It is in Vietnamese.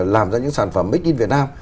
làm ra những sản phẩm make in việt nam